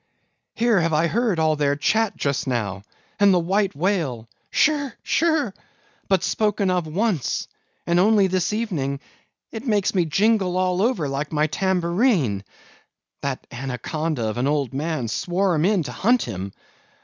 Here have I heard all their chat just now, and the white whale—shirr! shirr!—but spoken of once! and only this evening—it makes me jingle all over like my tambourine—that anaconda of an old man swore 'em in to hunt him!